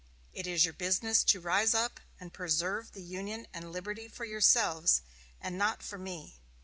It is your business to rise up and preserve the Union and liberty for yourselves and not for me....